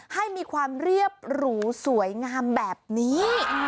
ให้มีความเรียบหรูสวยงามแบบนี้